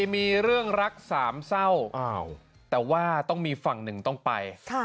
มีเรื่องรักสามเศร้าแต่ว่าต้องมีฝั่งหนึ่งต้องไป